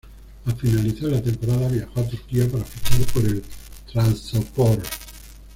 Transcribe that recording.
Al finalizar la temporada viajó a Turquía para fichar por el Trabzonspor.